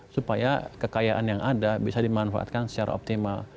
supaya kekayaan yang ada bisa dimanfaatkan secara optimal